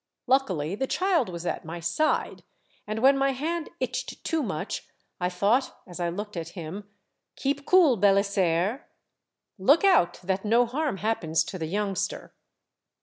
Luckily the child was at my side, and when my hand itched too much I thought as I looked at him :' Keep cool, Belisaire. Look out that no harm happens to the youngster